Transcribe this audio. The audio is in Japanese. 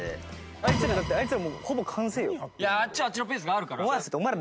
あっちはあっちのペースがあるから。